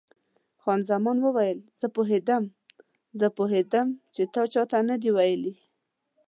خان زمان وویل: زه پوهېدم، زه پوهېدم چې تا چا ته نه دي ویلي.